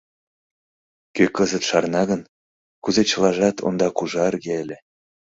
Кӧ кызыт шарна гын, кузе чылажат ондак ужарге ыле!